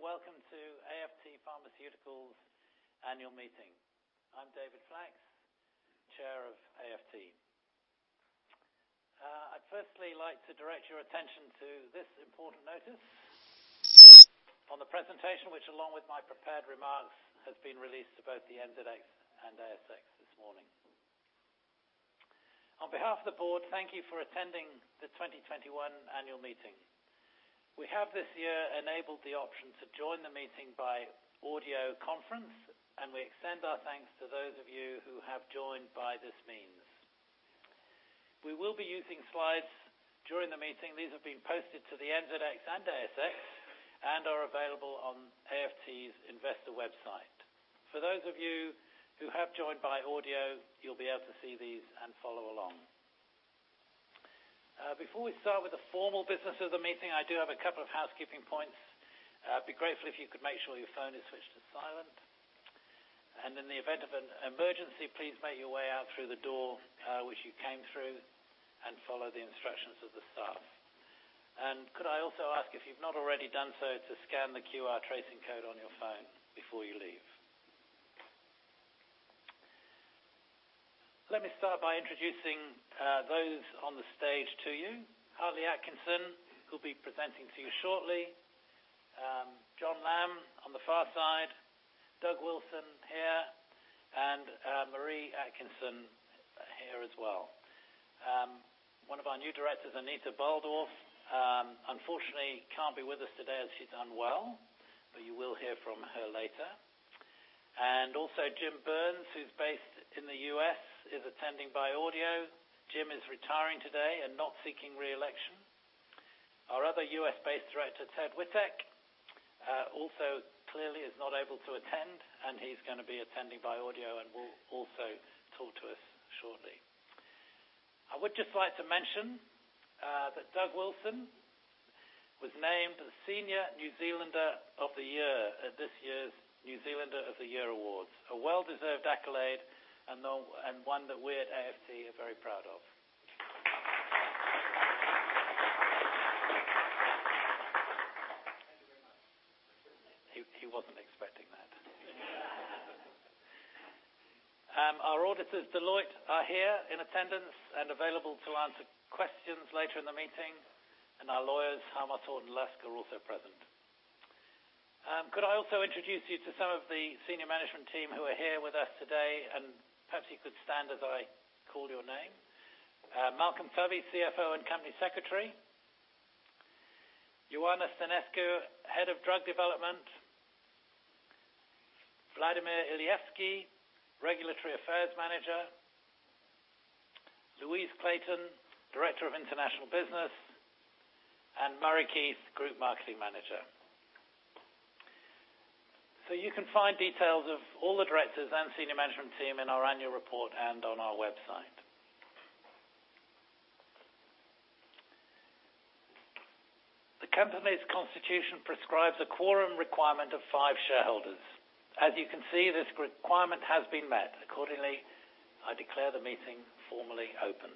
Good morning, and welcome to AFT Pharmaceuticals' annual meeting. I'm David Flacks, chair of AFT. I'd firstly like to direct your attention to this important notice on the presentation, which along with my prepared remarks, has been released to both the NZX and ASX this morning. On behalf of the board, thank you for attending the 2021 annual meeting. We have this year enabled the option to join the meeting by audio conference, and we extend our thanks to those of you who have joined by this means. We will be using slides during the meeting. These have been posted to the NZX and ASX and are available on AFT's investor website. For those of you who have joined by audio, you'll be able to see these and follow along. Before we start with the formal business of the meeting, I do have a couple of housekeeping points. I'd be grateful if you could make sure your phone is switched to silent. In the event of an emergency, please make your way out through the door which you came through and follow the instructions of the staff. Could I also ask, if you've not already done so, to scan the QR tracing code on your phone before you leave. Let me start by introducing those on the stage to you. Hartley Atkinson, who'll be presenting to you shortly. Jon Lamb on the far side, Doug Wilson here, and Marree Atkinson here as well. One of our new directors, Anita Baldauf, unfortunately can't be with us today as she's unwell, but you will hear from her later. Also Jim Burns, who's based in the U.S., is attending by audio. Jim is retiring today and not seeking re-election. Our other U.S.-based director, Ted Witek, also clearly is not able to attend. He's going to be attending by audio and will also talk to us shortly. I would just like to mention that Doug Wilson was named the Senior New Zealander of the Year at this year's New Zealander of the Year Awards, a well-deserved accolade, and one that we at AFT are very proud of. Thank you very much. He wasn't expecting that. Our auditors, Deloitte, are here in attendance and available to answer questions later in the meeting. Our lawyers, Harmos Horton Lusk, are also present. Could I also introduce you to some of the senior management team who are here with us today? Perhaps you could stand as I call your name. Malcolm Tubby, CFO, and Company Secretary. Ioana Stanescu, Head of Drug Development. Vladimir Ilievski, Regulatory Affairs Manager. Louise Clayton, Director of International Business, and Murray Keith, Group Marketing Manager. You can find details of all the directors and senior management team in our annual report and on our website. The company's constitution prescribes a quorum requirement of five shareholders. As you can see, this requirement has been met. Accordingly, I declare the meeting formally open.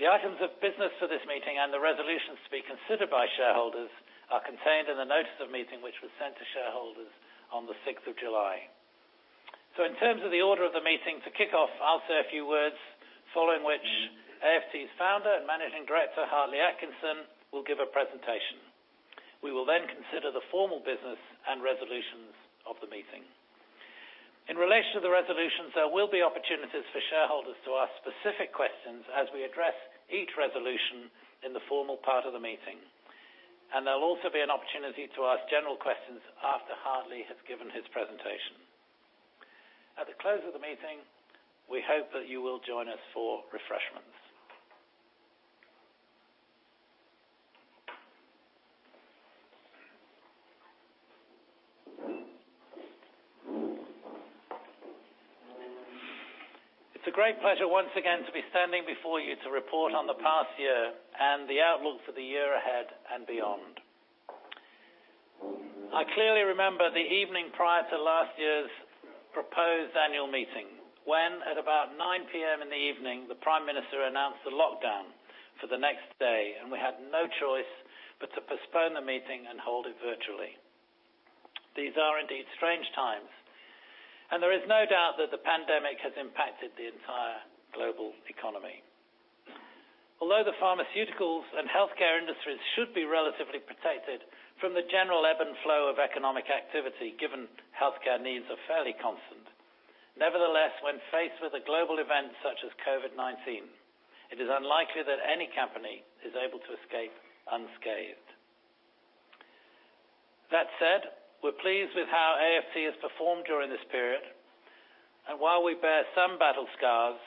The items of business for this meeting and the resolutions to be considered by shareholders are contained in the notice of meeting, which was sent to shareholders on the 6th of July. In terms of the order of the meeting, to kick off, I'll say a few words, following which AFT's founder and Managing Director, Hartley Atkinson, will give a presentation. We will then consider the formal business and resolutions of the meeting. In relation to the resolutions, there will be opportunities for shareholders to ask specific questions as we address each resolution in the formal part of the meeting. There'll also be an opportunity to ask general questions after Hartley has given his presentation. At the close of the meeting, we hope that you will join us for refreshments. It's a great pleasure once again to be standing before you to report on the past year and the outlook for the year ahead and beyond. I clearly remember the evening prior to last year's proposed annual meeting, when, at about 9:00 P.M. in the evening, the Prime Minister announced a lockdown for the next day, and we had no choice but to postpone the meeting and hold it virtually. These are indeed strange times, and there is no doubt that the pandemic has impacted the entire global economy. Although the pharmaceuticals and healthcare industries should be relatively protected from the general ebb and flow of economic activity, given healthcare needs are fairly constant. Nevertheless, when faced with a global event such as COVID-19, it is unlikely that any company is able to escape unscathed. That said, we're pleased with how AFT has performed during this period. While we bear some battle scars,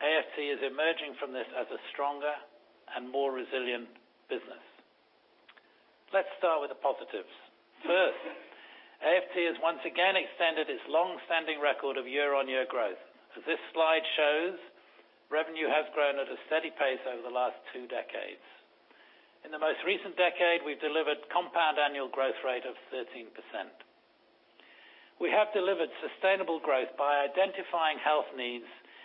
AFT is emerging from this as a stronger and more resilient business. Let's start with the positives. First, AFT has once again extended its longstanding record of year-on-year growth. As this slide shows, revenue has grown at a steady pace over the last two decades. In the most recent decade, we've delivered compound annual growth rate of 13%. We have delivered sustainable growth by identifying health needs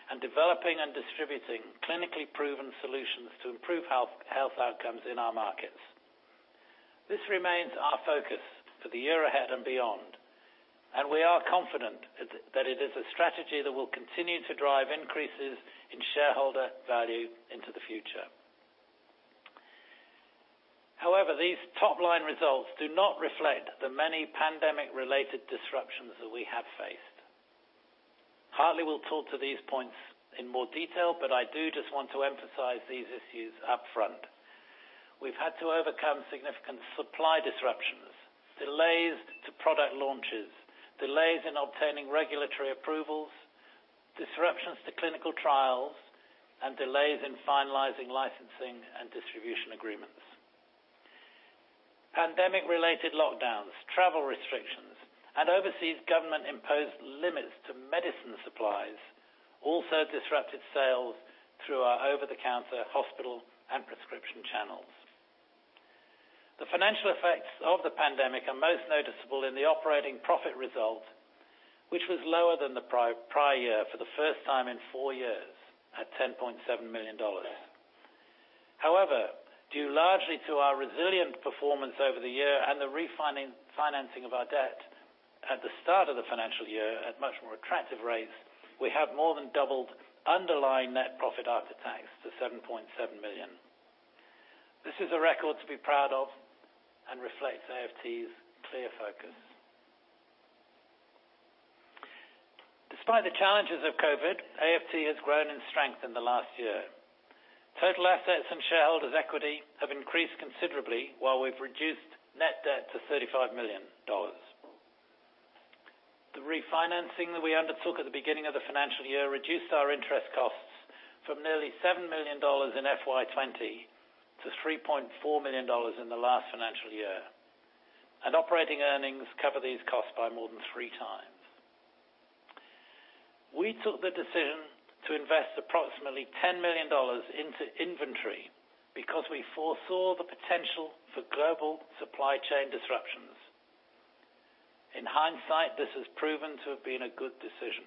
and developing and distributing clinically proven solutions to improve health outcomes in our markets. This remains our focus for the year ahead and beyond, and we are confident that it is a strategy that will continue to drive increases in shareholder value into the future. However, these top-line results do not reflect the many pandemic-related disruptions that we have faced. Hartley will talk to these points in more detail, but I do just want to emphasize these issues up front. We've had to overcome significant supply disruptions, delays to product launches, delays in obtaining regulatory approvals, disruptions to clinical trials, and delays in finalizing licensing and distribution agreements. Pandemic-related lockdowns, travel restrictions, and overseas government-imposed limits to medicine supplies also disrupted sales through our over-the-counter hospital and prescription channels. The financial effects of the pandemic are most noticeable in the operating profit result, which was lower than the prior year for the first time in four years at 10.7 million dollars. However, due largely to our resilient performance over the year and the refinancing of our debt at the start of the financial year at much more attractive rates, we have more than doubled underlying net profit after tax to 7.7 million. This is a record to be proud of and reflects AFT's clear focus. Despite the challenges of COVID-19, AFT has grown in strength in the last year. Total assets and shareholders' equity have increased considerably, while we've reduced net debt to NZD 35 million. The refinancing that we undertook at the beginning of the financial year reduced our interest costs from nearly 7 million dollars in FY 2020 to 3.4 million dollars in the last financial year. Operating earnings cover these costs by more than three times. We took the decision to invest approximately 10 million dollars into inventory because we foresaw the potential for global supply chain disruptions. In hindsight, this has proven to have been a good decision.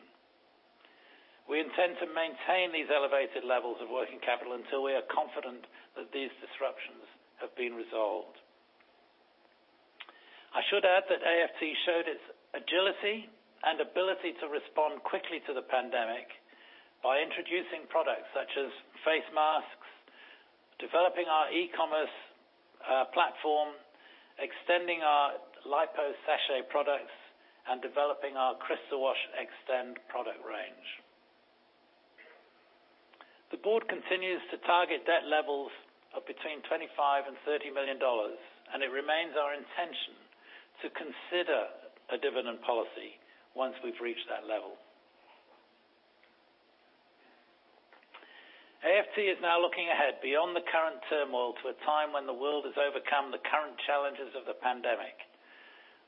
We intend to maintain these elevated levels of working capital until we are confident that these disruptions have been resolved. I should add that AFT showed its agility and ability to respond quickly to the pandemic by introducing products such as face masks, developing our e-commerce platform, extending our Lipo-Sachets products, and developing our Crystawash Extend product range. The board continues to target debt levels of between 25 million and 30 million dollars, and it remains our intention to consider a dividend policy once we've reached that level. AFT is now looking ahead beyond the current turmoil to a time when the world has overcome the current challenges of the pandemic.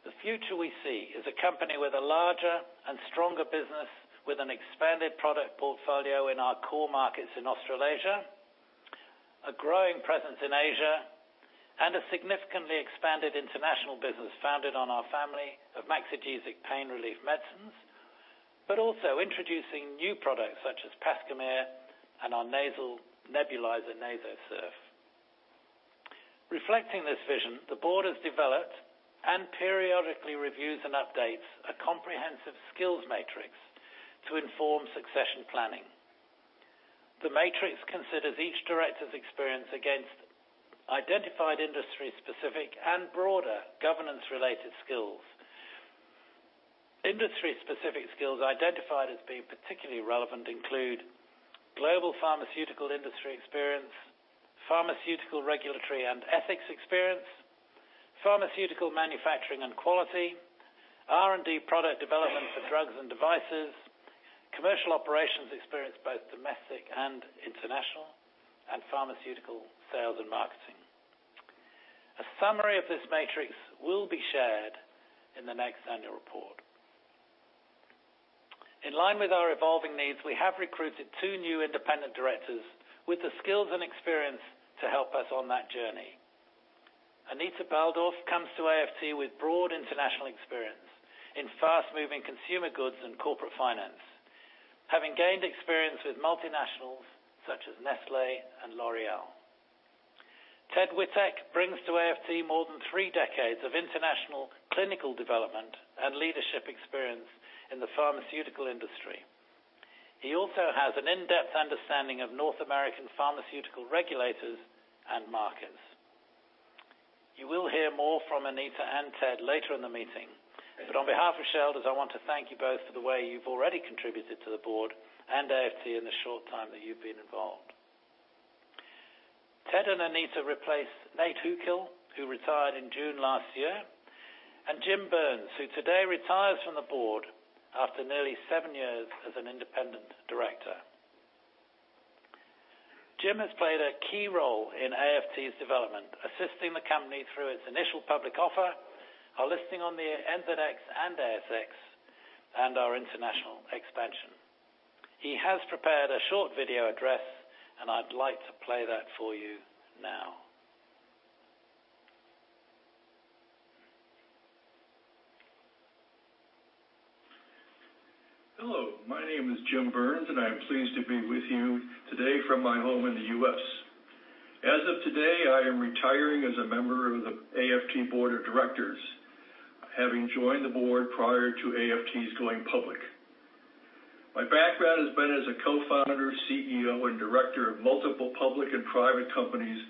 The future we see is a company with a larger and stronger business, with an expanded product portfolio in our core markets in Australasia, a growing presence in Asia, and a significantly expanded International business founded on our family of Maxigesic pain relief medicines, but also introducing new products such as Pascomer and our nasal nebulizer, NasoSURF. Reflecting this vision, the board has developed and periodically reviews and updates a comprehensive skills matrix to inform succession planning. The matrix considers each director's experience against identified industry-specific and broader governance-related skills. Industry-specific skills identified as being particularly relevant include global pharmaceutical industry experience, pharmaceutical regulatory and ethics experience, pharmaceutical manufacturing and quality, R&D product development for drugs and devices, commercial operations experience, both domestic and international, and pharmaceutical sales and marketing. A summary of this matrix will be shared in the next annual report. In line with our evolving needs, we have recruited two new independent directors with the skills and experience to help us on that journey. Anita Baldauf comes to AFT with broad international experience in fast-moving consumer goods and corporate finance, having gained experience with multinationals such as Nestlé and L'Oréal. Ted Witek brings to AFT more than 3 decades of international clinical development and leadership experience in the pharmaceutical industry. He also has an in-depth understanding of North American pharmaceutical regulators and markets. You will hear more from Anita and Ted later in the meeting. On behalf of shareholders, I want to thank you both for the way you've already contributed to the board and AFT in the short time that you've been involved. Ted and Anita replace Nate Hukill, who retired in June last year, and Jim Burns, who today retires from the board after nearly seven years as an independent director. Jim has played a key role in AFT's development, assisting the company through its initial public offer, our listing on the NZX and ASX, and our international expansion. He has prepared a short video address, I'd like to play that for you now Hello, my name is Jim Burns, and I'm pleased to be with you today from my home in the U.S. As of today, I am retiring as a member of the AFT board of directors, having joined the board prior to AFT's going public. My background has been as a co-founder, CEO, and director of multiple public and private companies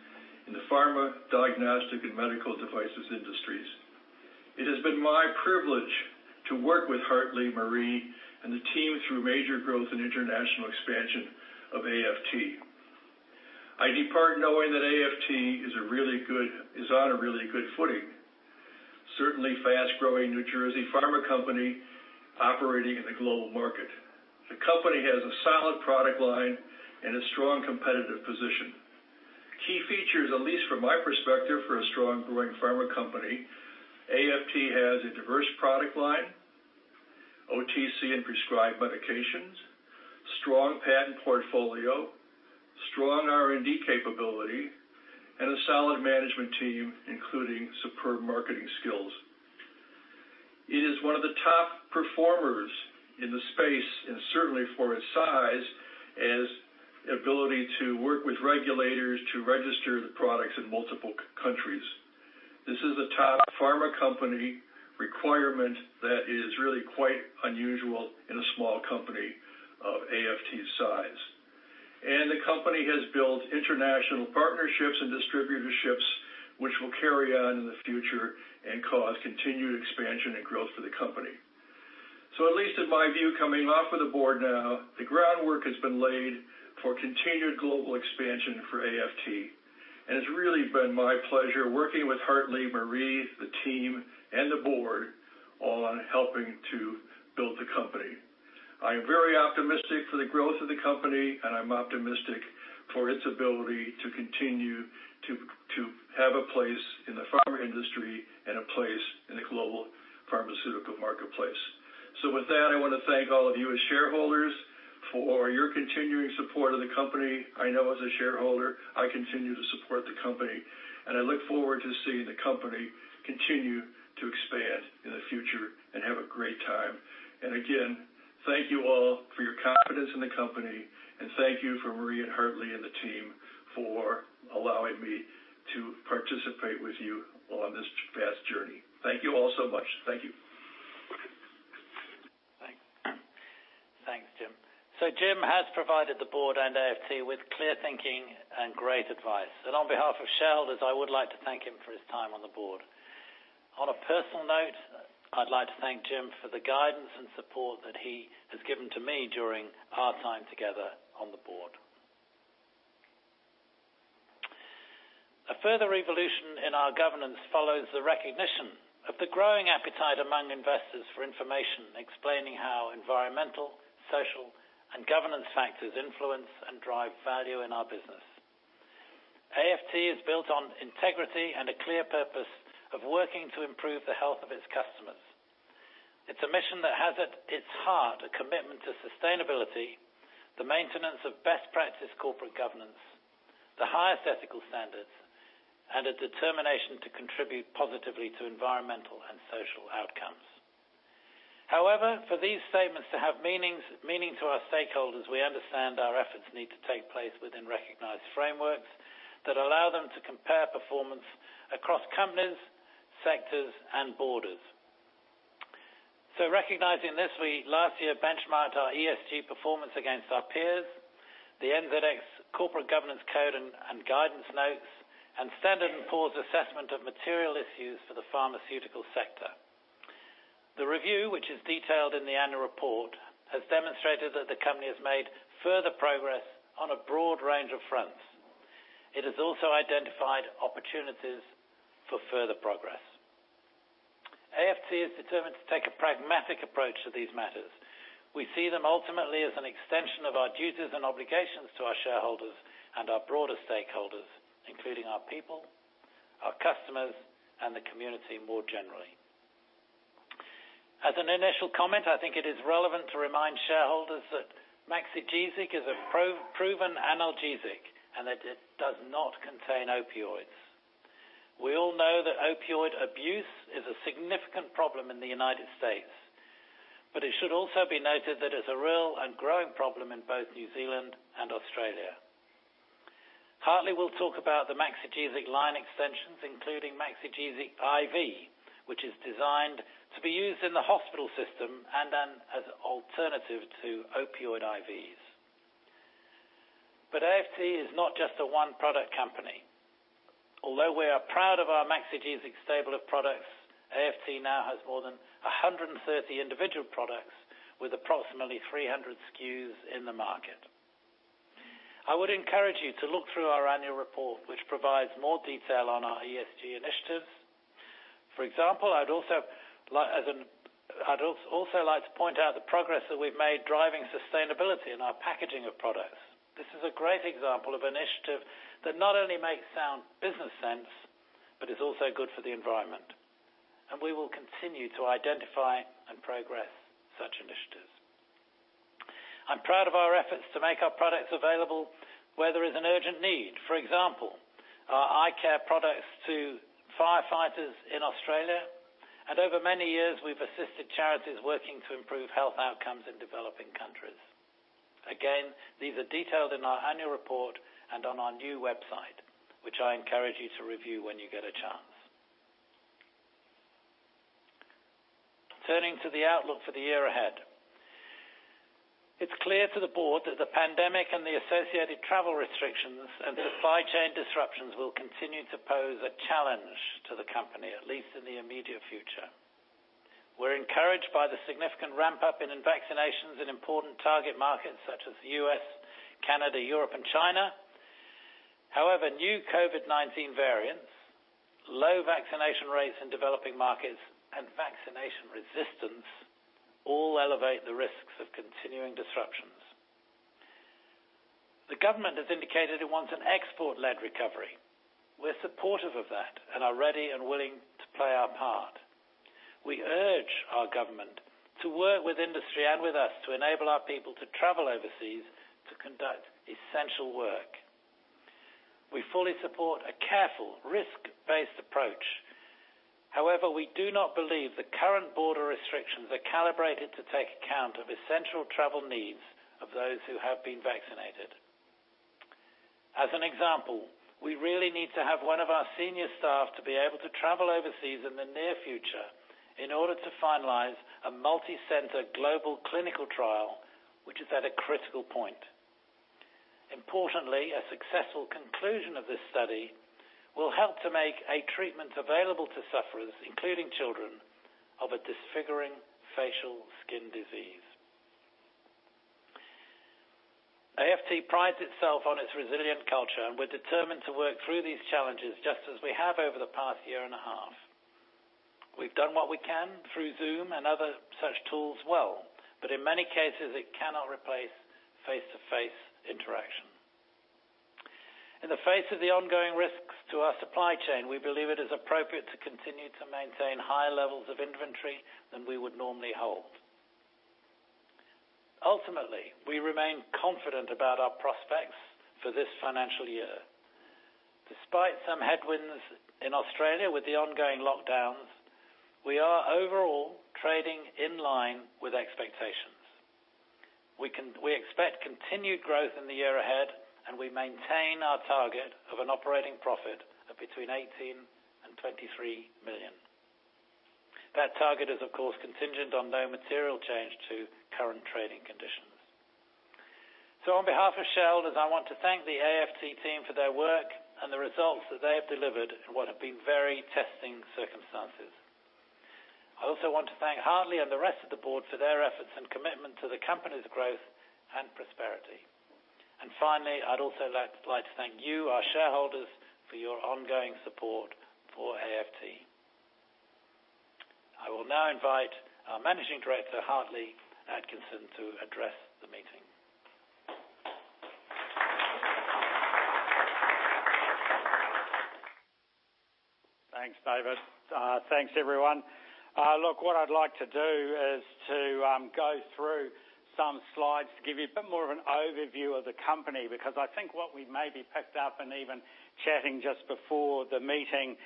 in the pharma, diagnostic, and medical devices industries. It has been my privilege to work with Hartley, Marree, and the team through major growth and international expansion of AFT. I depart knowing that AFT is on a really good footing. Certainly fast-growing New Zealand pharma company operating in the global market. The company has a solid product line and a strong competitive position. Key features, at least from my perspective, for a strong growing pharma company, AFT has a diverse product line, OTC and prescribed medications, strong patent portfolio, strong R&D capability, and a solid management team, including superb marketing skills. It is one of the top performers in the space and certainly for its size, its ability to work with regulators to register the products in multiple countries. This is a top pharma company requirement that is really quite unusual in a small company of AFT's size. The company has built international partnerships and distributorships, which will carry on in the future and cause continued expansion and growth for the company. At least in my view, coming off of the board now, the groundwork has been laid for continued global expansion for AFT, and it's really been my pleasure working with Hartley, Marree, the team, and the board on helping to build the company. I am very optimistic for the growth of the company, and I'm optimistic for its ability to continue to have a place in the pharma industry and a place in the global pharmaceutical marketplace. With that, I want to thank all of you as shareholders for your continuing support of the company. I know as a shareholder, I continue to support the company, and I look forward to seeing the company continue to expand in the future and have a great time. Again, thank you all for your confidence in the company, and thank you for Marree and Hartley and the team for allowing me to participate with you on this vast journey. Thank you all so much. Thank you. Thanks, Jim. Jim has provided the board and AFT with clear thinking and great advice. On behalf of shareholders, I would like to thank him for his time on the board. On a personal note, I'd like to thank Jim for the guidance and support that he has given to me during our time together on the board. A further evolution in our governance follows the recognition of the growing appetite among investors for information explaining how environmental, social, and governance factors influence and drive value in our business. AFT is built on integrity and a clear purpose of working to improve the health of its customers. It's a mission that has at its heart a commitment to sustainability, the maintenance of best practice corporate governance, the highest ethical standards, and a determination to contribute positively to environmental and social outcomes. However, for these statements to have meaning to our stakeholders, we understand our efforts need to take place within recognized frameworks that allow them to compare performance across companies, sectors, and borders. Recognizing this, we last year benchmarked our ESG performance against our peers, the NZX Corporate Governance Code and Guidance Notes, and Standard & Poor's assessment of material issues for the pharmaceutical sector. The review, which is detailed in the annual report, has demonstrated that the company has made further progress on a broad range of fronts. It has also identified opportunities for further progress. AFT is determined to take a pragmatic approach to these matters. We see them ultimately as an extension of our duties and obligations to our shareholders and our broader stakeholders, including our people, our customers, and the community more generally. As an initial comment, I think it is relevant to remind shareholders that Maxigesic is a proven analgesic and that it does not contain opioids. We all know that opioid abuse is a significant problem in the U.S., but it should also be noted that it's a real and growing problem in both New Zealand and Australia. Hartley will talk about the Maxigesic line extensions, including Maxigesic IV, which is designed to be used in the hospital system and as alternative to opioid IVs. AFT is not just a one-product company. Although we are proud of our Maxigesic stable of products, AFT now has more than 130 individual products with approximately 300 SKUs in the market. I would encourage you to look through our annual report, which provides more detail on our ESG initiatives. For example, I'd also like to point out the progress that we've made driving sustainability in our packaging of products. This is a great example of initiative that not only makes sound business sense, but is also good for the environment. We will continue to identify and progress such initiatives. I'm proud of our efforts to make our products available where there is an urgent need. For example, our eye care products to firefighters in Australia, and over many years, we've assisted charities working to improve health outcomes in developing countries. Again, these are detailed in our annual report and on our new website, which I encourage you to review when you get a chance. Turning to the outlook for the year ahead. It's clear to the board that the pandemic and the associated travel restrictions and supply chain disruptions will continue to pose a challenge to the company, at least in the immediate future. We're encouraged by the significant ramp-up in vaccinations in important target markets such as the U.S., Canada, Europe, and China. However, new COVID-19 variants, low vaccination rates in developing markets, and vaccination resistance all elevate the risks of continuing disruptions. The government has indicated it wants an export-led recovery. We're supportive of that and are ready and willing to play our part. We urge our government to work with industry and with us to enable our people to travel overseas to conduct essential work. We fully support a careful risk-based approach. However, we do not believe the current border restrictions are calibrated to take account of essential travel needs of those who have been vaccinated. As an example, we really need to have one of our senior staff to be able to travel overseas in the near future in order to finalize a multi-center global clinical trial, which is at a critical point. Importantly, a successful conclusion of this study will help to make a treatment available to sufferers, including children, of a disfiguring facial skin disease. AFT prides itself on its resilient culture. We're determined to work through these challenges just as we have over the past year and a half. We've done what we can through Zoom and other such tools well. In many cases, it cannot replace face-to-face interaction. In the face of the ongoing risks to our supply chain, we believe it is appropriate to continue to maintain higher levels of inventory than we would normally hold. Ultimately, we remain confident about our prospects for this financial year. Despite some headwinds in Australia with the ongoing lockdowns, we are overall trading in line with expectations. We expect continued growth in the year ahead, we maintain our target of an operating profit of between 18 million and 23 million. That target is, of course, contingent on no material change to current trading conditions. On behalf of shareholders, I want to thank the AFT team for their work and the results that they have delivered in what have been very testing circumstances. I also want to thank Hartley and the rest of the board for their efforts and commitment to the company's growth and prosperity. Finally, I'd also like to thank you, our shareholders, for your ongoing support for AFT. I will now invite our Managing Director, Hartley Atkinson, to address the meeting. Thanks, David. Thanks, everyone. Look, what I'd like to do is to go through some slides to give you a bit more of an overview of the company, because I think what we maybe picked up in even chatting just before the meeting,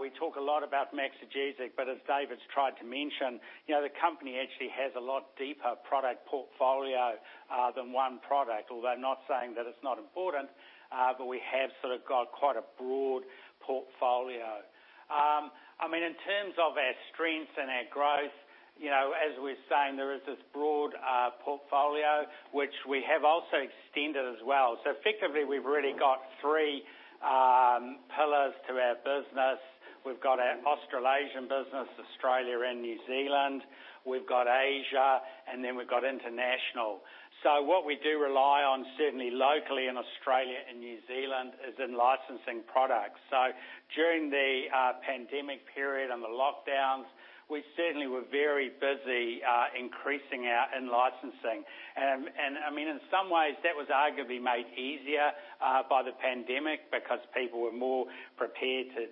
we talk a lot about Maxigesic, but as David's tried to mention, the company actually has a lot deeper product portfolio than one product. Although I'm not saying that it's not important, but we have sort of got quite a broad portfolio. In terms of our strengths and our growth, as we're saying, there is this broad portfolio which we have also extended as well. Effectively, we've really got three pillars to our business. We've got our Australasian business, Australia and New Zealand. We've got Asia, and then we've got International. What we do rely on, certainly locally in Australia and New Zealand, is in-licensing products. During the pandemic period and the lockdowns, we certainly were very busy increasing our in-licensing. In some ways, that was arguably made easier by the pandemic because people were more prepared to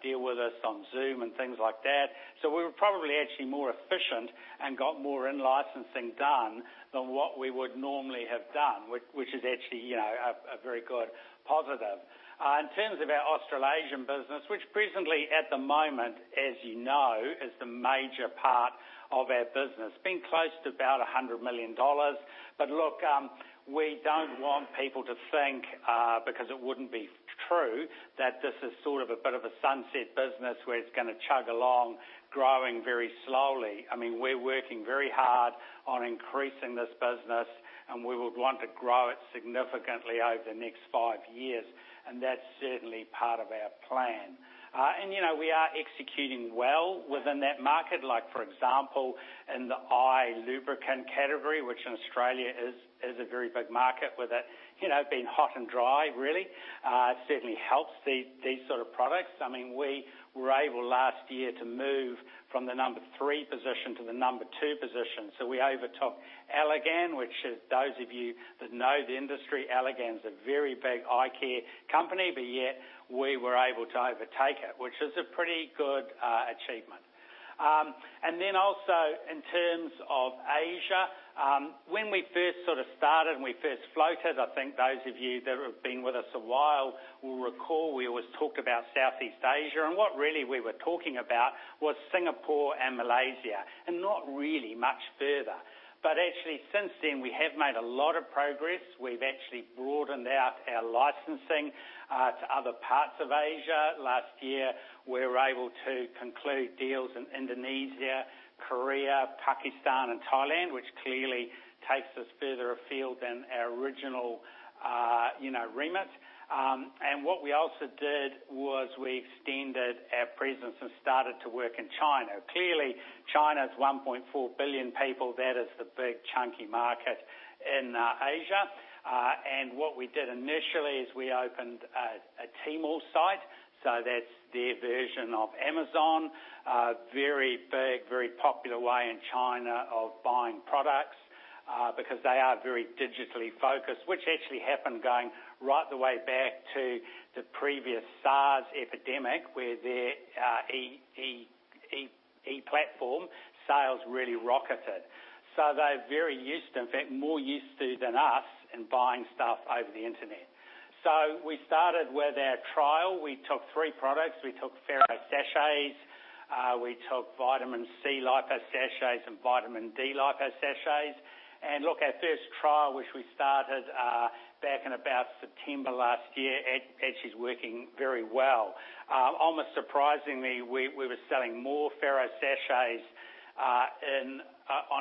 deal with us on Zoom and things like that. We were probably actually more efficient and got more in-licensing done than what we would normally have done, which is actually a very good positive. In terms of our Australasian business, which presently at the moment, as you know, is the major part of our business. It's been close to about 100 million dollars. Look, we don't want people to think, because it wouldn't be true, that this is sort of a bit of a sunset business where it's going to chug along, growing very slowly. We're working very hard on increasing this business, and we would want to grow it significantly over the next five years. That's certainly part of our plan. We are executing well within that market. Like for example, in the eye lubricant category, which in Australia is a very big market with it being hot and dry, really. It certainly helps these sort of products. We were able last year to move from the number 3 position to the number 2 position. We overtopped Allergan, which is those of you that know the industry, Allergan is a very big eye care company, but yet we were able to overtake it, which is a pretty good achievement. Also in terms of Asia, when we first started and we first floated, I think those of you that have been with us a while will recall we always talk about Southeast Asia, and what really we were talking about was Singapore and Malaysia, and not really much further. Actually, since then, we have made a lot of progress. We've actually broadened out our licensing to other parts of Asia. Last year, we were able to conclude deals in Indonesia, Korea, Pakistan, and Thailand, which clearly takes us further afield than our original remit. What we also did was we extended our presence and started to work in China. Clearly, China's 1.4 billion people, that is the big chunky market in Asia. What we did initially is we opened a Tmall site. That's their version of Amazon. Very big, very popular way in China of buying products, because they are very digitally focused, which actually happened going right the way back to the previous SARS epidemic, where their e-platform sales really rocketed. They're very used to, in fact, more used to than us, in buying stuff over the Internet. We started with our trial. We took three products. We took Ferro-Sachets, we took Vitamin C Lipo-Sachets, and Vitamin D Lipo-Sachets. Look, our first trial, which we started back in about September last year, actually is working very well. Almost surprisingly, we were selling more Ferro-Sachets on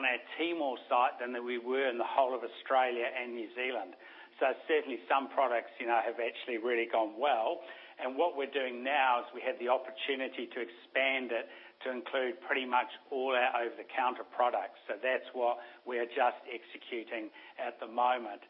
our Tmall site than we were in the whole of Australia and New Zealand. Certainly, some products have actually really gone well. What we're doing now is we have the opportunity to expand it to include pretty much all our over-the-counter products. That's what we're just executing at the moment.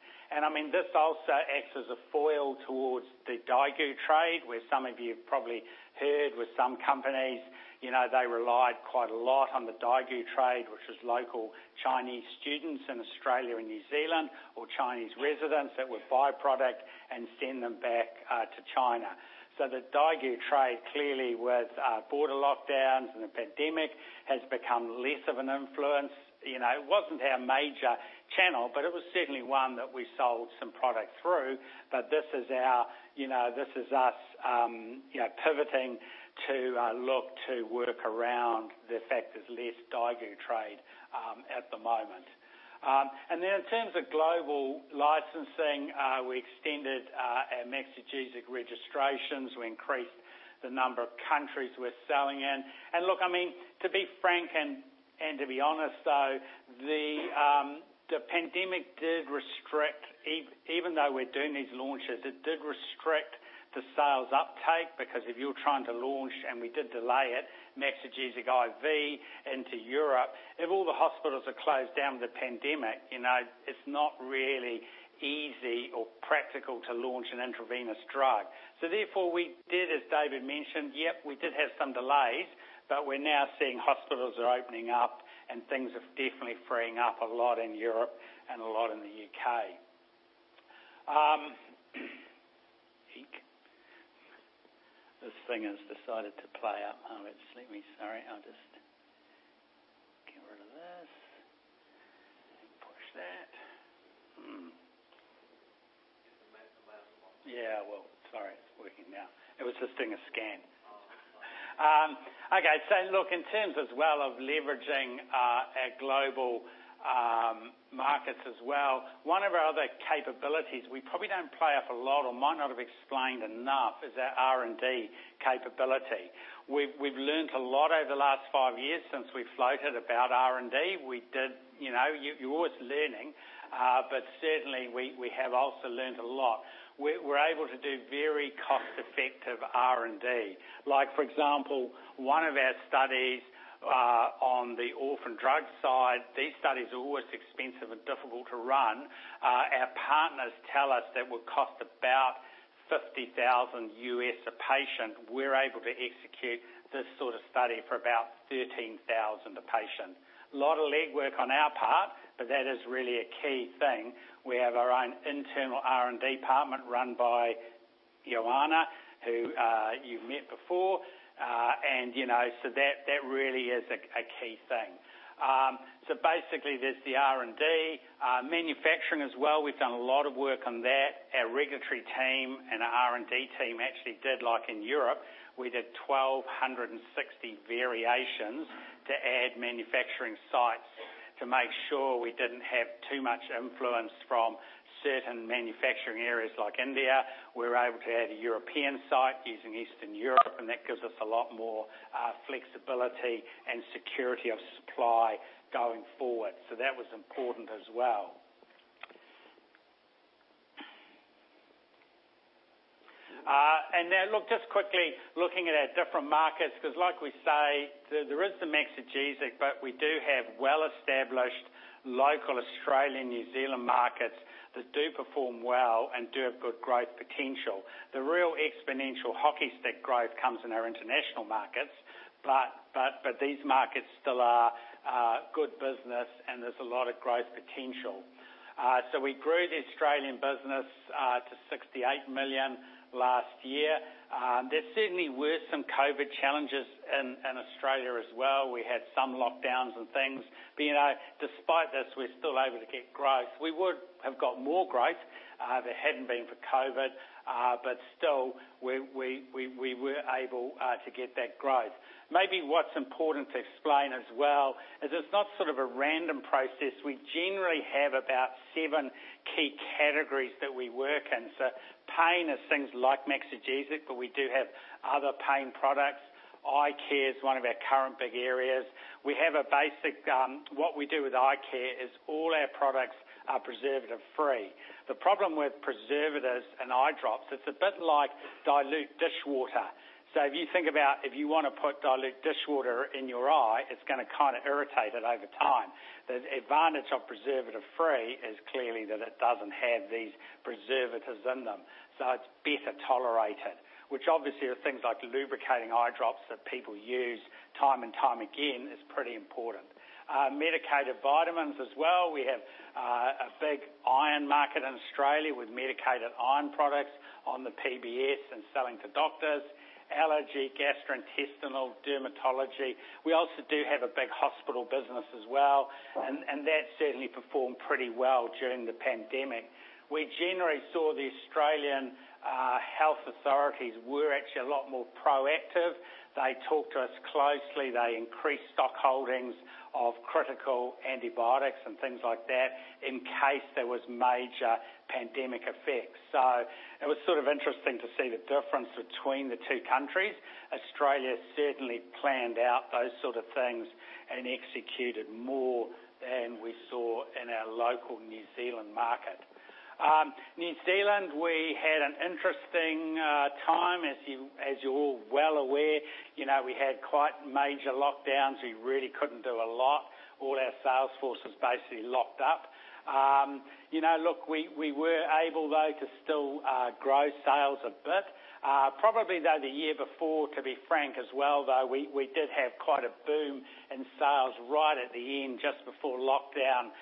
This also acts as a foil towards the Daigou trade, where some of you have probably heard with some companies, they relied quite a lot on the Daigou trade, which was local Chinese students in Australia and New Zealand, or Chinese residents that would buy product and send them back to China. The Daigou trade, clearly, with border lockdowns and the pandemic, has become less of an influence. It wasn't our major channel, but it was certainly one that we sold some product through. This is us pivoting to look to work around the fact there's less Daigou trade at the moment. In terms of global licensing, we extended our Maxigesic registrations. We increased the number of countries we're selling in. To be frank and to be honest, though, the pandemic did restrict, even though we're doing these launches, it did restrict the sales uptake, because if you're trying to launch, and we did delay it, Maxigesic IV into Europe, if all the hospitals are closed down with the pandemic, it's not really easy or practical to launch an intravenous drug. We did, as David mentioned, yep, we did have some delays, but we're now seeing hospitals are opening up, and things are definitely freeing up a lot in Europe and a lot in the U.K. This thing has decided to play up on me. Sorry, I'll just get rid of this and push that. Hit the maximize button. Yeah, well, sorry. It is working now. It was just doing a scan. Okay. Look, in terms as well of leveraging our global markets as well, one of our other capabilities we probably don't play up a lot or might not have explained enough is our R&D capability. We've learnt a lot over the last five years since we floated about R&D. You're always learning. Certainly, we have also learnt a lot. We're able to do very cost-effective R&D. Like for example, one of our studies on the orphan drug side, these studies are always expensive and difficult to run. Our partners tell us that it would cost about $50,000 a patient. We're able to execute this sort of study for about $13,000 a patient. A lot of legwork on our part, that is really a key thing. We have our own internal R&D department run by Ioana, who you've met before. That really is a key thing. Basically, there's the R&D. Manufacturing as well, we've done a lot of work on that. Our regulatory team and our R&D team actually did, like in Europe, we did 1,260 variations to add manufacturing sites to make sure we didn't have too much influence from certain manufacturing areas like India. We were able to add a European site using Eastern Europe, and that gives us a lot more flexibility and security of supply going forward. That was important as well. Now, look, just quickly looking at our different markets, because like we say, there is some Maxigesic, but we do have well-established local Australian, New Zealand markets that do perform well and do have good growth potential. The real exponential hockey stick growth comes in our international markets, but these markets still are good business, and there's a lot of growth potential. We grew the Australian business to 68 million last year. There certainly were some COVID challenges in Australia as well. We had some lockdowns and things. Despite this, we're still able to get growth. We would have got more growth had it hadn't been for COVID, but still, we were able to get that growth. Maybe what's important to explain as well is it's not sort of a random process. We generally have about seven key categories that we work in. Pain is things like Maxigesic, but we do have other pain products. Eye care is one of our current big areas. What we do with eye care is all our products are preservative-free. The problem with preservatives in eye drops, it's a bit like dilute dishwater. If you think about if you want to put dilute dishwater in your eye, it's going to kind of irritate it over time. The advantage of preservative-free is clearly that it doesn't have these preservatives in them, so it's better tolerated, which obviously are things like lubricating eye drops that people use time and time again, is pretty important. Medicated vitamins as well. We have a big iron market in Australia with medicated iron products on the PBS and selling to doctors. Allergy, gastrointestinal, dermatology. We also do have a big hospital business as well, and that certainly performed pretty well during the pandemic. We generally saw the Australian health authorities were actually a lot more proactive. They talked to us closely. They increased stock holdings of critical antibiotics and things like that in case there was major pandemic effects. It was sort of interesting to see the difference between the two countries. Australia certainly planned out those sort of things and executed more than we saw in our local New Zealand market. New Zealand, we had an interesting time, as you're all well aware. We had quite major lockdowns. We really couldn't do a lot. All our sales force was basically locked up. Look, we were able, though, to still grow sales a bit. Probably, though, the year before, to be frank as well, though, we did have quite a boom in sales right at the end, just before lockdown.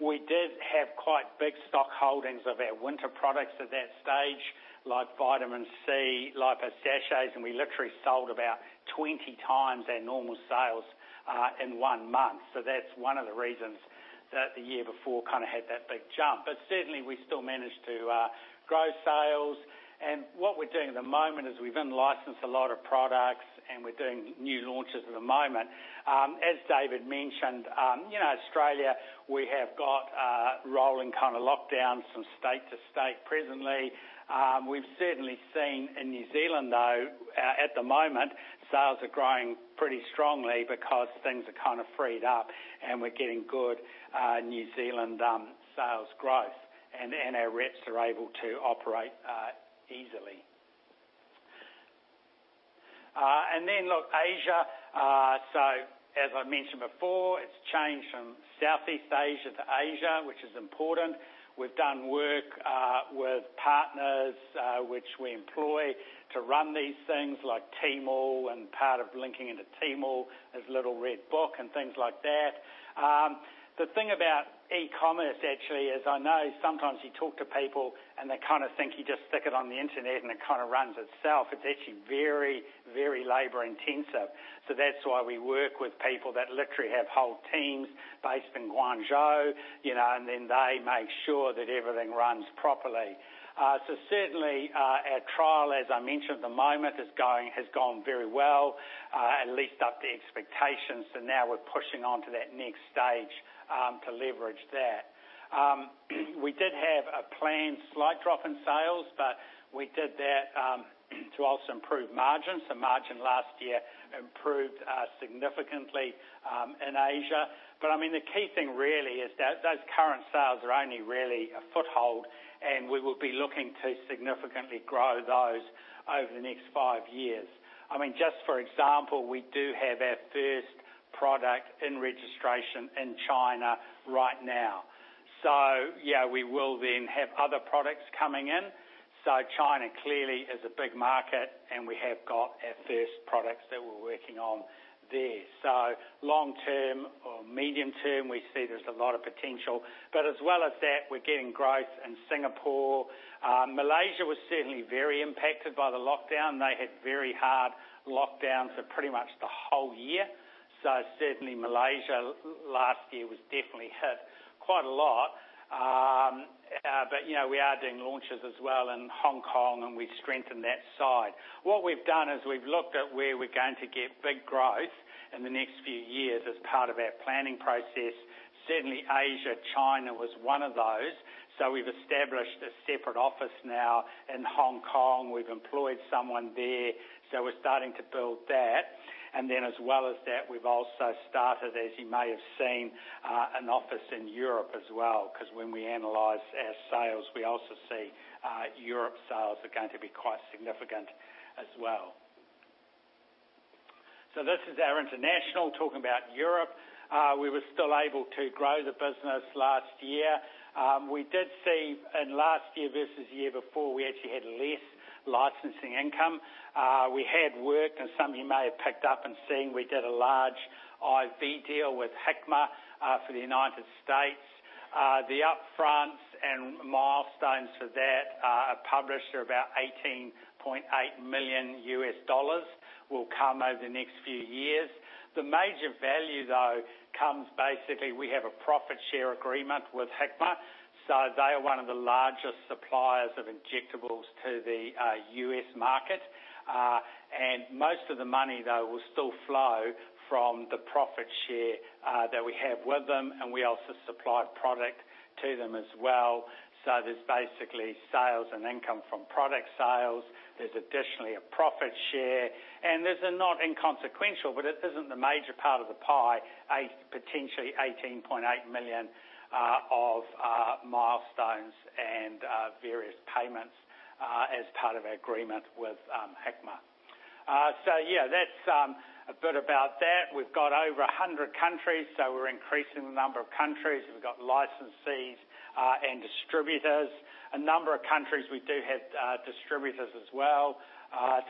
We did have quite big stock holdings of our winter products at that stage, like vitamin C, like our sachets. We literally sold about 20x our normal sales in one month. That's one of the reasons that the year before kind of had that big jump. Certainly, we still managed to grow sales. What we're doing at the moment is we've in-licensed a lot of products. We're doing new launches at the moment. As David Flacks mentioned, Australia, we have got a rolling kind of lockdown from state to state presently. We've certainly seen in New Zealand, though, at the moment, sales are growing pretty strongly because things are kind of freed up. We're getting good New Zealand sales growth. Our reps are able to operate easily. Look, Asia as I mentioned before, it's changed from Southeast Asia to Asia, which is important. We've done work with partners, which we employ to run these things like Tmall. Part of linking into Tmall is Little Red Book and things like that. The thing about e-commerce, actually, is I know sometimes you talk to people. They kind of think you just stick it on the internet. It kind of runs itself. It's actually very labor-intensive. That's why we work with people that literally have whole teams based in Guangzhou. They make sure that everything runs properly. Certainly, our trial, as I mentioned at the moment, has gone very well, at least up to expectations. Now we're pushing on to that next stage to leverage that. We did have a planned slight drop in sales. We did that to also improve margins. Margin last year improved significantly in Asia. The key thing really is that those current sales are only really a foothold, and we will be looking to significantly grow those over the next five years. Just for example, we do have our first product in registration in China right now. Yeah, we will then have other products coming in. China clearly is a big market, and we have got our first products that we're working on there. Long term or medium term, we see there's a lot of potential. As well as that, we're getting growth in Singapore. Malaysia was certainly very impacted by the lockdown. They had very hard lockdowns for pretty much the whole year. Certainly Malaysia last year was definitely hit quite a lot. We are doing launches as well in Hong Kong, and we strengthen that side. What we've done is we've looked at where we're going to get big growth in the next few years as part of our planning process. Certainly, Asia, China was one of those. We've established a separate office now in Hong Kong. We've employed someone there. We're starting to build that. Then as well as that, we've also started, as you may have seen, an office in Europe as well, because when we analyze our sales, we also see Europe sales are going to be quite significant as well. This is our International, talking about Europe. We were still able to grow the business last year. We did see in last year versus the year before, we actually had less licensing income. We had worked, and some of you may have picked up and seen, we did a large-IV deal with Hikma for the U.S. The upfronts and milestones for that are published. They're about $18.8 million, will come over the next few years. The major value, though, comes, basically, we have a profit share agreement with Hikma. They are one of the largest suppliers of injectables to the U.S. market. Most of the money, though, will still flow from the profit share that we have with them, and we also supply product to them as well. There's basically sales and income from product sales. There's additionally a profit share, and this is not inconsequential, but it isn't the major part of the pie, potentially $18.8 million of milestones and various payments as part of our agreement with Hikma. Yeah, that's a bit about that. We've got over 100 countries, so we're increasing the number of countries. We've got licensees and distributors. A number of countries, we do have distributors as well.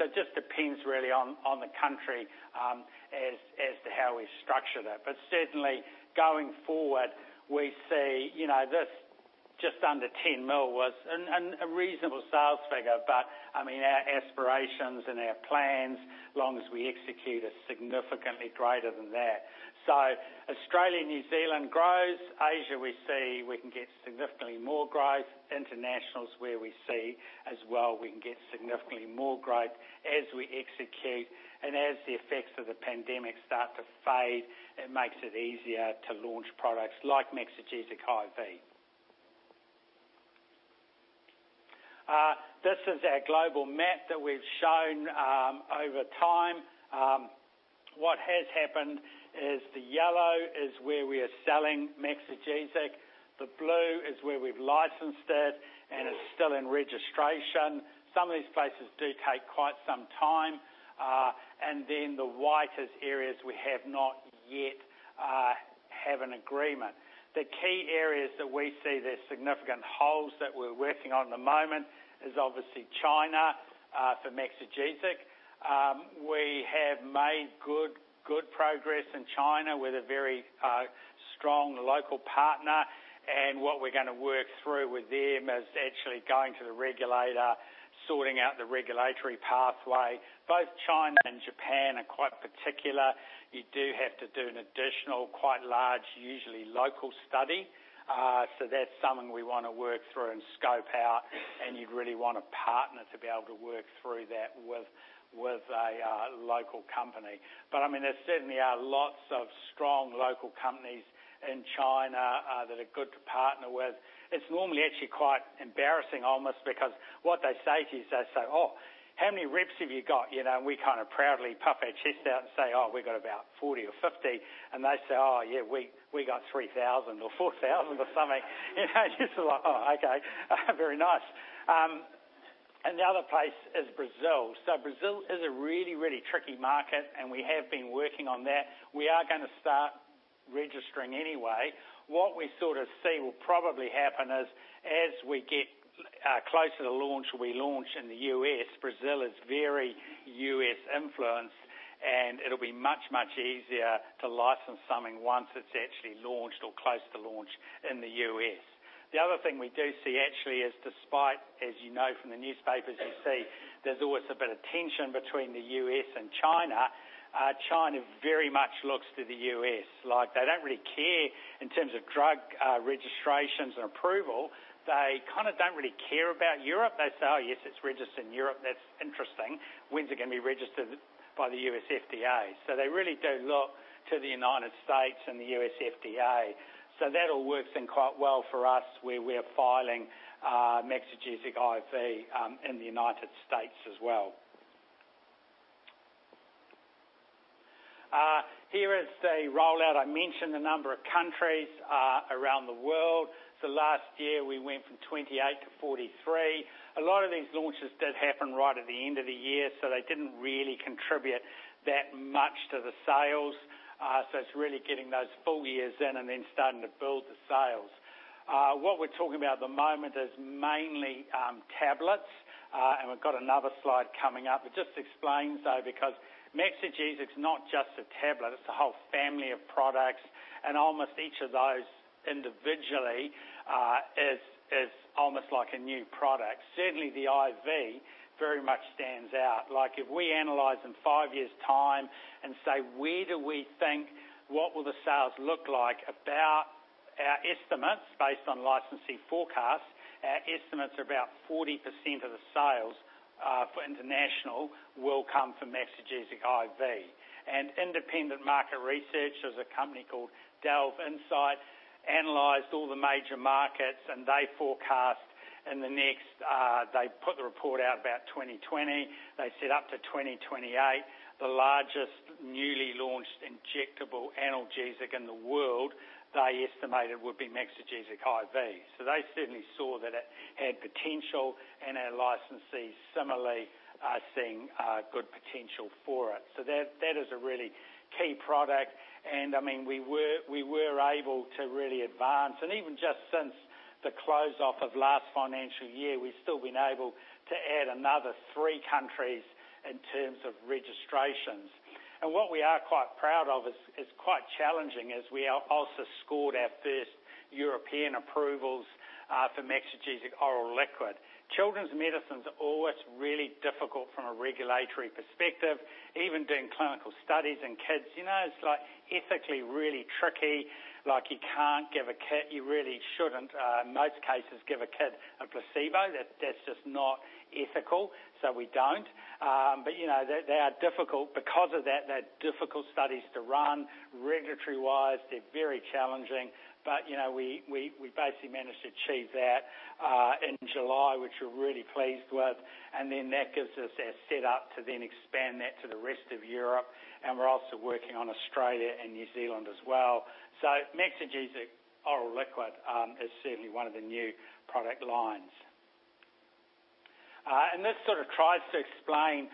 It just depends really on the country as to how we structure that. Certainly, going forward, we see this just under 10 million was a reasonable sales figure, but our aspirations and our plans, as long as we execute, are significantly greater than that. Australia, New Zealand grows. Asia, we see we can get significantly more growth. International is where we see as well we can get significantly more growth as we execute. As the effects of the pandemic start to fade, it makes it easier to launch products like Maxigesic IV. This is our global map that we've shown over time. What has happened is the yellow is where we are selling Maxigesic. The blue is where we've licensed it, and it's still in registration. Some of these places do take quite some time. The whitest areas we have not yet have an agreement. The key areas that we see that are significant holes that we're working on at the moment is obviously China for Maxigesic. We have made good progress in China with a very strong local partner, and what we're going to work through with them is actually going to the regulator, sorting out the regulatory pathway. Both China and Japan are quite particular. You do have to do an additional, quite large, usually local study. That's something we want to work through and scope out, and you'd really want a partner to be able to work through that with a local company. There certainly are lots of strong local companies in China that are good to partner with. It's normally actually quite embarrassing almost because what they say to you is they say, "Oh, how many reps have you got?" We kind of proudly puff our chest out and say, "Oh, we've got about 40 or 50." They say, "Oh, yeah, we got 3,000 or 4,000" or something. You're just like, "Oh, okay. Very nice." The other place is Brazil. Brazil is a really, really tricky market, and we have been working on that. We are going to start registering anyway. What we sort of see will probably happen is as we get closer to launch, we launch in the U.S. Brazil is very U.S. influenced, and it'll be much, much easier to license something once it's actually launched or close to launch in the U.S. The other thing we do see actually is despite, as you know from the newspapers you see, there's always a bit of tension between the U.S. and China. China very much looks to the U.S. They don't really care in terms of drug registrations and approval. They kind of don't really care about Europe. They say, "Oh, yes, it's registered in Europe. That's interesting. When's it going to be registered by the U.S. FDA?" They really do look to the United States and the U.S. FDA. That all works in quite well for us, where we're filing Maxigesic IV in the United States as well. Here is the rollout. I mentioned a number of countries around the world. Last year, we went from 28 to 43. A lot of these launches did happen right at the end of the year, so they didn't really contribute that much to the sales. It's really getting those full years in and then starting to build the sales. What we're talking about at the moment is mainly tablets, and we've got another slide coming up. It just explains, though, because Maxigesic is not just a tablet, it's a whole family of products, and almost each of those individually is almost like a new product. Certainly, the IV very much stands out. If we analyze in five years' time and say, "Where do we think, what will the sales look like?" About our estimates based on licensing forecasts, our estimates are about 40% of the sales for International will come from Maxigesic IV. Independent market research, there's a company called DelveInsight, analyzed all the major markets. They put the report out about 2020. They said up to 2028, the largest newly launched injectable analgesic in the world, they estimated, would be Maxigesic IV. They certainly saw that it had potential, and our licensees similarly are seeing good potential for it. That is a really key product, and we were able to really advance. Even just since the close off of last financial year, we've still been able to add another three countries in terms of registrations. What we are quite proud of is quite challenging, is we also scored our first European approvals for Maxigesic Oral Liquid. Children's medicines are always really difficult from a regulatory perspective. Even doing clinical studies in kids, it's ethically really tricky. You really shouldn't, in most cases, give a kid a placebo. That's just not ethical, we don't. They are difficult because of that. They're difficult studies to run regulatory-wise. They're very challenging. We basically managed to achieve that in July, which we're really pleased with. That gives us our set up to then expand that to the rest of Europe. We're also working on Australia and New Zealand as well. Maxigesic Oral Liquid is certainly one of the new product lines. This sort of tries to explain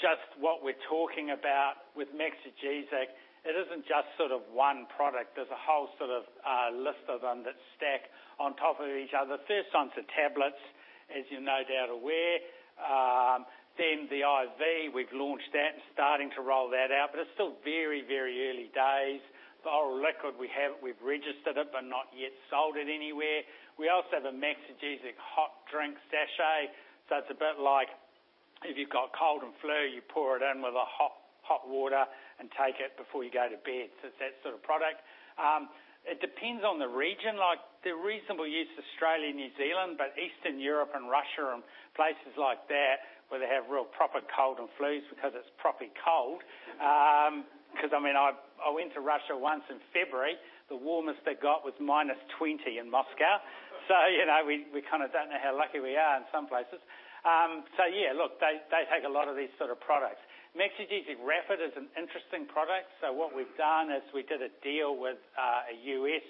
just what we're talking about with Maxigesic. It isn't just sort of one product. There's a whole list of them that stack on top of each other. First one's the tablets, as you're no doubt aware. The IV, we've launched that and starting to roll that out. It's still very early days. The oral liquid, we've registered it, but not yet sold it anywhere. We also have a Maxigesic hot drink sachet, so it's a bit like if you've got cold and flu, you pour it in with a hot water and take it before you go to bed. It's that sort of product. It depends on the region. They're reasonable use to Australia and New Zealand. Eastern Europe and Russia and places like that where they have real proper cold and flus because it's properly cold. I went to Russia once in February. The warmest it got was -20 in Moscow. We kind of don't know how lucky we are in some places. Yeah, look, they take a lot of these sort of products. Maxigesic Rapid is an interesting product. What we've done is we did a deal with a U.S.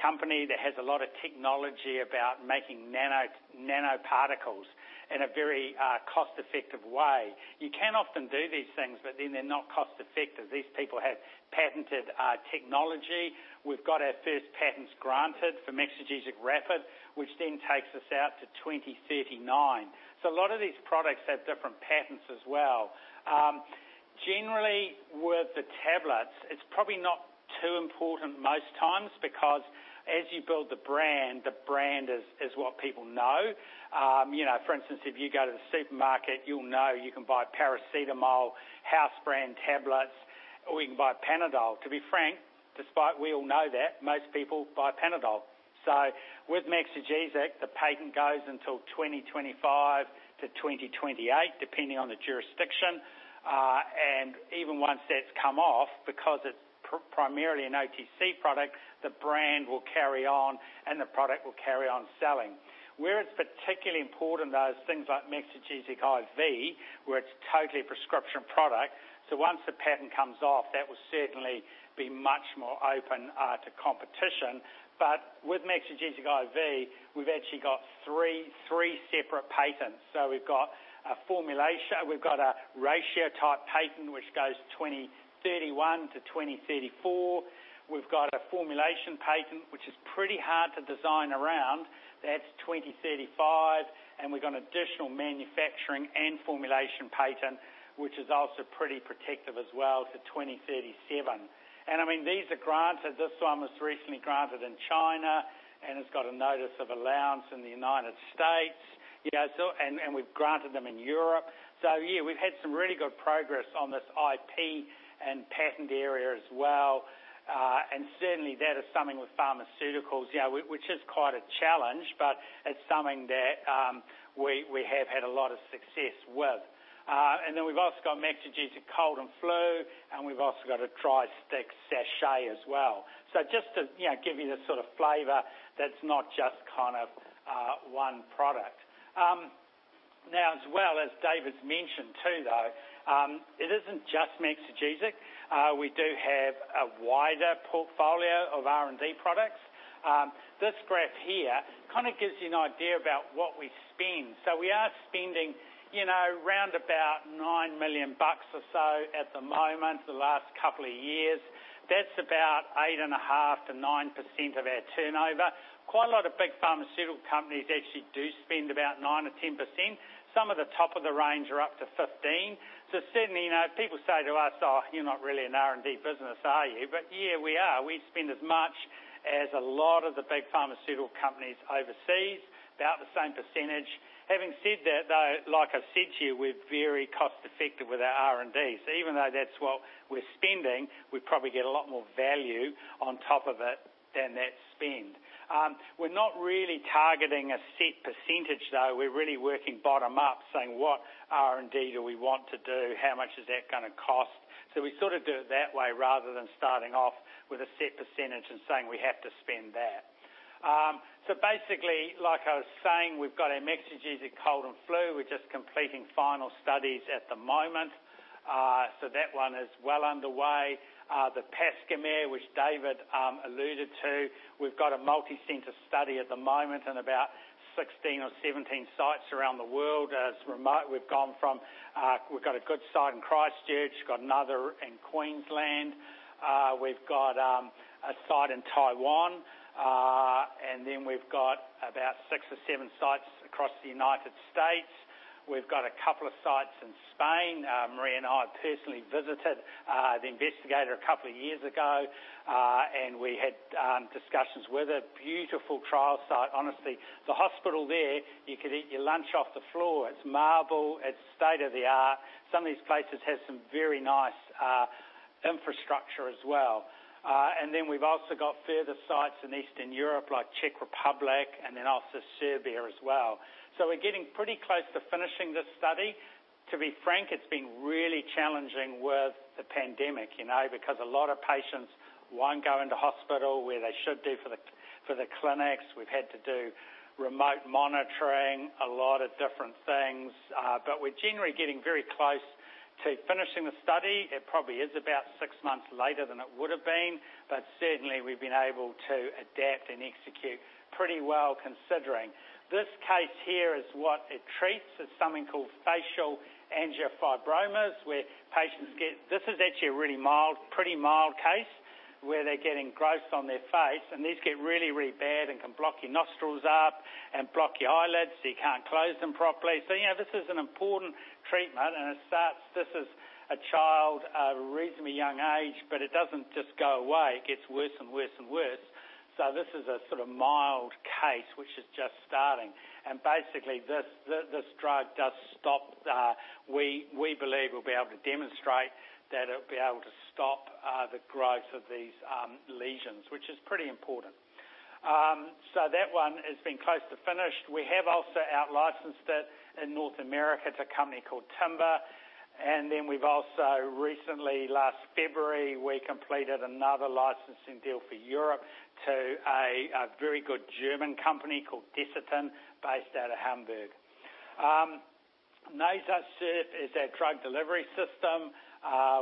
company that has a lot of technology about making nanoparticles in a very cost-effective way. You can often do these things, but then they're not cost-effective. These people have patented technology. We've got our first patents granted for Maxigesic Rapid, which then takes us out to 2039. A lot of these products have different patents as well. Generally, with the tablets, it's probably not too important most times, because as you build the brand, the brand is what people know. For instance, if you go to the supermarket, you'll know you can buy paracetamol, house brand tablets, or you can buy Panadol. To be frank, despite we all know that, most people buy Panadol. With Maxigesic, the patent goes until 2025-2028, depending on the jurisdiction. Even once that's come off, because it's primarily an OTC product, the brand will carry on, and the product will carry on selling. Where it's particularly important, though, is things like Maxigesic IV, where it's totally a prescription product, so once the patent comes off, that will certainly be much more open to competition. With Maxigesic IV, we've actually got 3 separate patents. We've got a ratio type patent, which goes 2031 to 2034. We've got a formulation patent, which is pretty hard to design around. That's 2035. We've got an additional manufacturing and formulation patent, which is also pretty protective as well to 2037. These are granted. This one was recently granted in China, and it's got a notice of allowance in the U.S. We've granted them in Europe. Yeah, we've had some really good progress on this IP and patent area as well. Certainly, that is something with pharmaceuticals, which is quite a challenge, but it's something that we have had a lot of success with. Then we've also got Maxigesic Cold & Flu, and we've also got a Tri-Stix sachet as well. Just to give you the sort of flavor, that's not just one product. As well, as David mentioned too, though, it isn't just Maxigesic. We do have a wider portfolio of R&D products. This graph here kind of gives you an idea about what we spend. We are spending round about 9 million bucks or so at the moment, the last couple of years. That's about 8.5%-9% of our turnover. Quite a lot of big pharmaceutical companies actually do spend about 9%-10%. Some of the top of the range are up to 15%. Certainly, people say to us, "Oh, you're not really an R&D business, are you?" Yeah, we are. We spend as much as a lot of the big pharmaceutical companies overseas, about the same percentage. Having said that, though, like I said to you, we're very cost-effective with our R&D. Even though that's what we're spending, we probably get a lot more value on top of it than that spend. We're not really targeting a set percentage, though. We're really working bottom-up, saying what R&D do we want to do, how much is that going to cost? We sort of do it that way rather than starting off with a set percentage and saying we have to spend that. Basically, like I was saying, we've got our Maxigesic Cold & Flu. We're just completing final studies at the moment. That one is well underway. The Pascomer, which David alluded to, we've got a multi-center study at the moment in about 16 or 17 sites around the world. It's remote. We've got a good site in Christchurch, got another in Queensland. We've got a site in Taiwan. We've got about six or seven sites across the United States. We've got a couple of sites in Spain. Marree and I personally visited the investigator a couple of years ago, and we had discussions with a beautiful trial site, honestly. The hospital there, you could eat your lunch off the floor. It's marble. It's state-of-the-art. Some of these places have some very nice infrastructure as well. We've also got further sites in Eastern Europe, like Czech Republic, and then also Serbia as well. We're getting pretty close to finishing this study. To be frank, it's been really challenging with the pandemic, because a lot of patients won't go into hospital where they should do for the clinics. We've had to do remote monitoring, a lot of different things. We're generally getting very close to finishing the study. It probably is about six months later than it would've been, but certainly, we've been able to adapt and execute pretty well, considering. This case here is what it treats. It's something called facial angiofibromas, where patients get. This is actually a pretty mild case, where they're getting growths on their face, and these get really, really bad and can block your nostrils up and block your eyelids, so you can't close them properly. This is an important treatment, and this is a child, a reasonably young age, but it doesn't just go away. It gets worse and worse. This is a sort of mild case, which is just starting. Basically, this drug does stop the. We believe we'll be able to demonstrate that it'll be able to stop the growth of these lesions, which is pretty important. That one has been close to finished. We have also outlicensed it in North America to a company called Timber. We've also recently, last February, we completed another licensing deal for Europe to a very good German company called Desitin, based out of Hamburg. NasoSURF is our drug delivery system.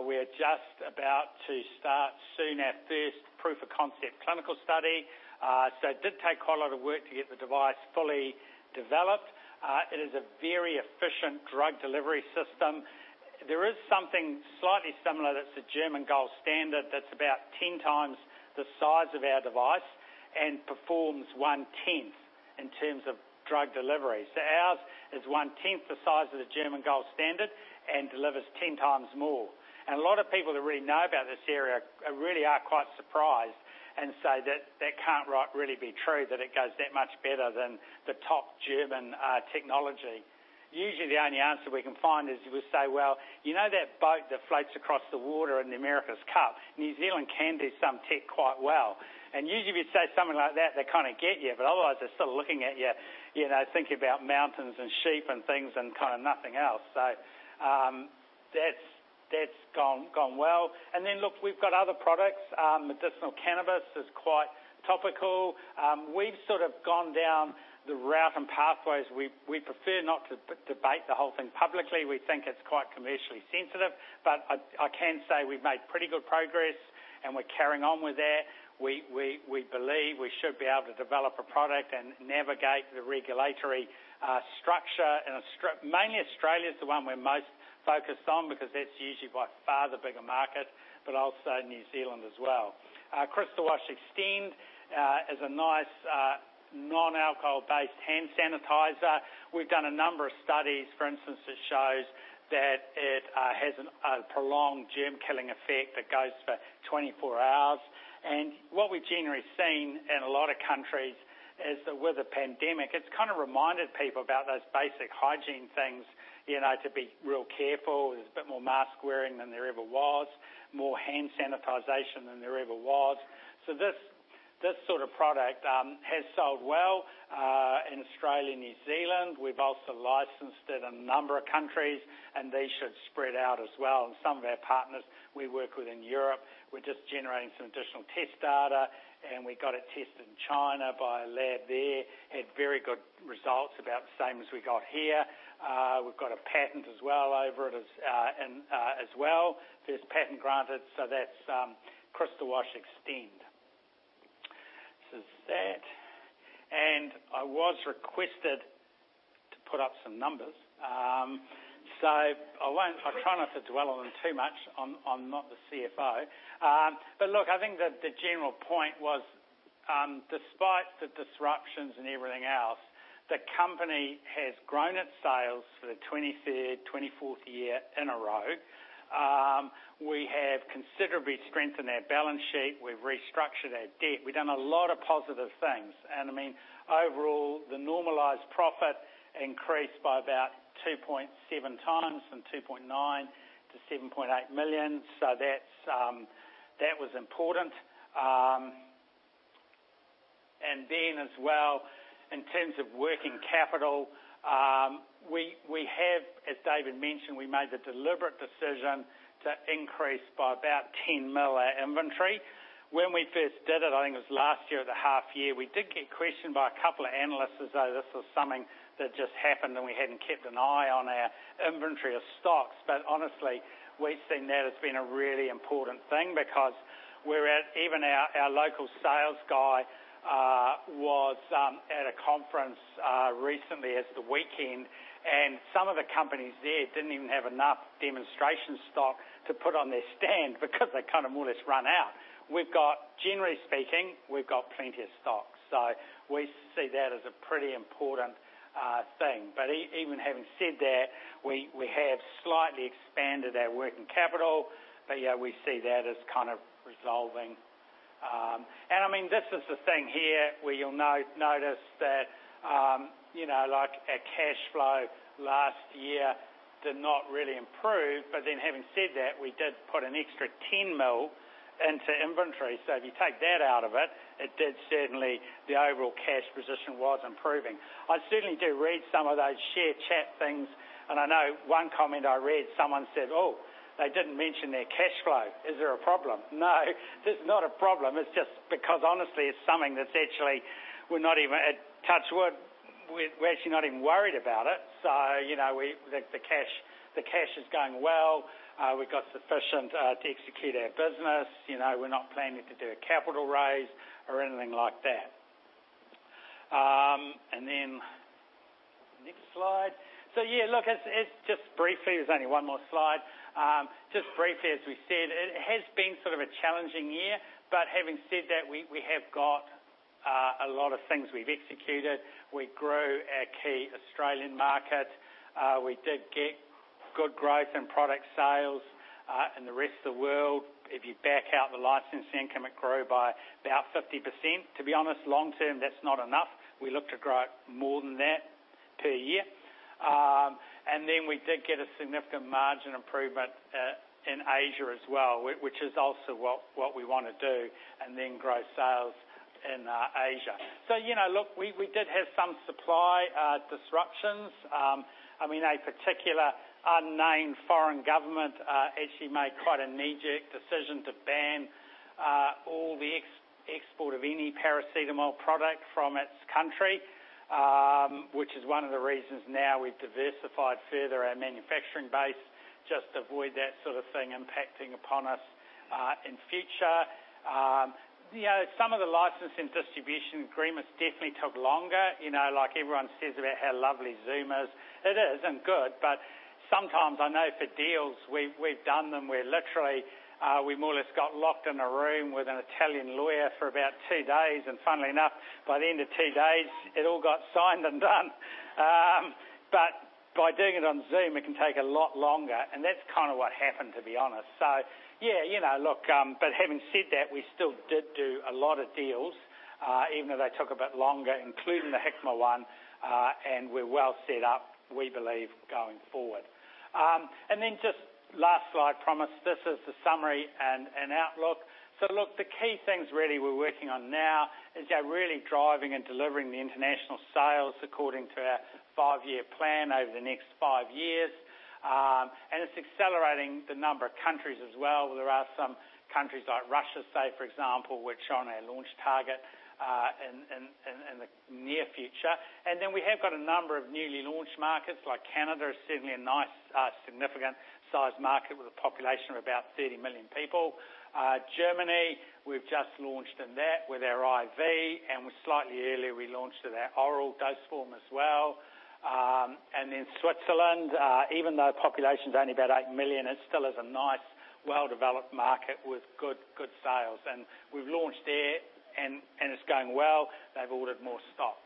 We're just about to start soon our first proof of concept clinical study. It did take quite a lot of work to get the device fully developed. It is a very efficient drug delivery system. There is something slightly similar that's the German gold standard that's about 10x the size of our device and performs 1/10 in terms of drug delivery. Ours is 1/10 the size of the German gold standard and delivers 10 times more. A lot of people that really know about this area really are quite surprised and say that that can't really be true, that it goes that much better than the top German technology. Usually, the only answer we can find is we say, "Well, you know that boat that floats across the water in the America's Cup? New Zealand can do some tech quite well." Usually, if you say something like that, they kind of get you. Otherwise, they're still looking at you, thinking about mountains and sheep and things, and kind of nothing else. That's gone well. Look, we've got other products. medicinal cannabis is quite topical. We've sort of gone down the route and pathways. We prefer not to debate the whole thing publicly. We think it's quite commercially sensitive. I can say we've made pretty good progress, and we're carrying on with that. We believe we should be able to develop a product and navigate the regulatory structure in Australia. Mainly Australia's the one we're most focused on because that's usually by far the bigger market, but also New Zealand as well. Crystawash Extend is a nice non-alcohol-based hand sanitizer. We've done a number of studies, for instance, that shows that it has a prolonged germ-killing effect that goes for 24 hours. What we've generally seen in a lot of countries is that with the pandemic, it's kind of reminded people about those basic hygiene things, to be real careful. There's a bit more mask-wearing than there ever was, more hand sanitization than there ever was. This sort of product has sold well in Australia and New Zealand. We've also licensed it in a number of countries, and these should spread out as well. Some of our partners we work with in Europe, we're just generating some additional test data, and we got it tested in China by a lab there. Had very good results, about the same as we got here. We've got a patent as well over it as well. First patent granted. That's Crystawash Extend. This is that. I was requested to put up some numbers. I'll try not to dwell on them too much. I'm not the CFO. Look, I think that the general point was, despite the disruptions and everything else, the company has grown its sales for the 23rd, 24th year in a row. We have considerably strengthened our balance sheet. We've restructured our debt. We've done a lot of positive things. I mean, overall, the normalized profit increased by about 2.7x, from 2.9 million-7.8 million. That was important. Then as well, in terms of working capital, we have, as David mentioned, we made the deliberate decision to increase by about 10 million our inventory. When we first did it, I think it was last year at the half year, we did get questioned by a couple of analysts as though this was something that just happened, and we hadn't kept an eye on our inventory of stocks. Honestly, we've seen that as being a really important thing, because even our local sales guy was at a conference recently, it's the weekend, and some of the companies there didn't even have enough demonstration stock to put on their stand because they kind of more or less run out. Generally speaking, we've got plenty of stock. We see that as a pretty important thing. Even having said that, we have slightly expanded our working capital. Yeah, we see that as kind of resolving. This is the thing here, where you'll notice that our cash flow last year did not really improve. Having said that, we did put an extra 10 million into inventory. If you take that out of it did certainly, the overall cash position was improving. I certainly do read some of those share chat things, and I know one comment I read, someone said, "Oh, they didn't mention their cash flow. Is there a problem?" No, there's not a problem. It's just because, honestly, it's something that's actually, touch wood, we're actually not even worried about it. The cash is going well. We've got sufficient to execute our business. We're not planning to do a capital raise or anything like that. Next slide. Just briefly, there's only one more slide. Just briefly, as we said, it has been sort of a challenging year, but having said that, we have got a lot of things we've executed. We grew our key Australian market. We did get good growth in product sales in the rest of the world. If you back out the licensing income, it grew by about 50%. To be honest, long term, that's not enough. We look to grow it more than that per year. We did get a significant margin improvement in Asia as well, which is also what we want to do, and then grow sales in Asia. Look, we did have some supply disruptions. A particular unnamed foreign government actually made quite a knee-jerk decision to ban all the export of any paracetamol product from its country, which is one of the reasons now we've diversified further our manufacturing base just to avoid that sort of thing impacting upon us in future. Some of the licensing distribution agreements definitely took longer. Like everyone says about how lovely Zoom is, it is, and good, but sometimes I know for deals, we've done them where literally, we more or less got locked in a room with an Italian lawyer for about two days, and funnily enough, by the end of two days, it all got signed and done. By doing it on Zoom, it can take a lot longer, and that's kind of what happened, to be honest. Yeah, look, but having said that, we still did do a lot of deals, even though they took a bit longer, including the Hikma one, and we're well set up, we believe, going forward. Then just last slide, promise. This is the summary and outlook. Look, the key things really we're working on now is really driving and delivering the International sales according to our five-year plan over the next five years. It's accelerating the number of countries as well. There are some countries like Russia, say, for example, which are on our launch target in the near future. Then we have got a number of newly launched markets, like Canada is certainly a nice, significant sized market with a population of about 30 million people. Germany, we've just launched in that with our IV, and slightly earlier, we launched our oral dose form as well. Then Switzerland, even though population's only about 8 million, it still is a nice, well-developed market with good sales. We've launched there, and it's going well. They've ordered more stock.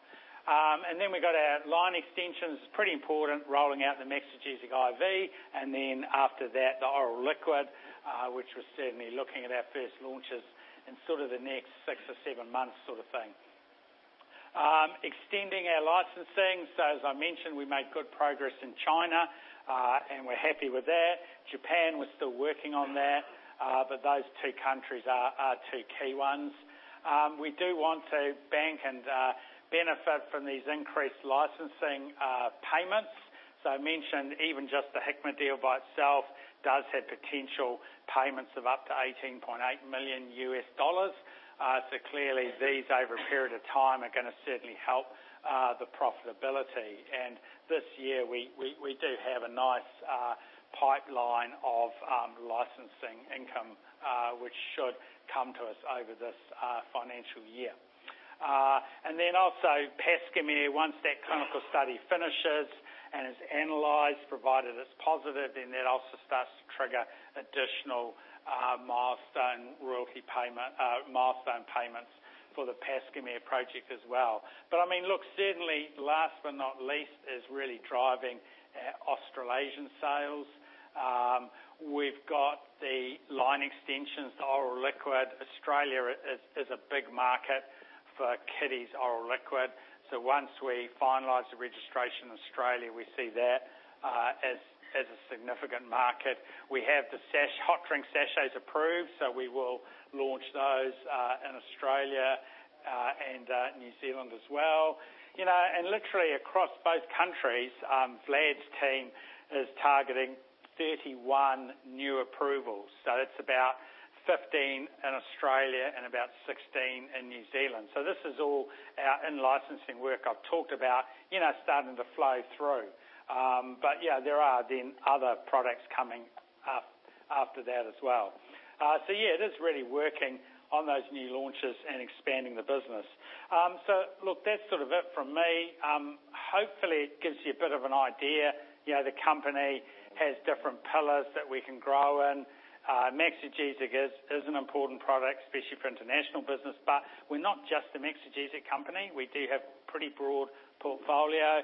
Then we've got our line extensions, pretty important, rolling out the Maxigesic IV, and then after that, the Maxigesic Oral Liquid, which we're certainly looking at our first launches in sort of the next six or seven months sort of thing. Extending our licensing. As I mentioned, we made good progress in China, and we're happy with that. Japan, we're still working on that. Those two countries are our two key ones. We do want to bank and benefit from these increased licensing payments. I mentioned even just the Hikma deal by itself does have potential payments of up to $18.8 million. Clearly, these, over a period of time, are going to certainly help the profitability. This year, we do have a nice pipeline of licensing income, which should come to us over this financial year. Also Pascomer, once that clinical study finishes and is analyzed, provided it's positive, that also starts to trigger additional milestone payments for the Pascomer project as well. Last but not least, is really driving our Australasian sales. We've got the line extensions, the oral liquid. Australia is a big market for kiddies' oral liquid. Once we finalize the registration in Australia, we see that as a significant market. We have the hot drink sachets approved, so we will launch those in Australia, and New Zealand as well. Literally across both countries, Vlad's team is targeting 31 new approvals. That's about 15 in Australia and about 16 in New Zealand. This is all our in-licensing work I've talked about starting to flow through. There are then other products coming up after that as well. Yeah, it is really working on those new launches and expanding the business. Look, that's sort of it from me. Hopefully, it gives you a bit of an idea. The company has different pillars that we can grow in. Maxigesic is an important product, especially for international business, but we're not just a Maxigesic company. We do have pretty broad portfolio.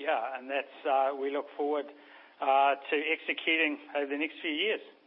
Yeah. We look forward to executing over the next few years.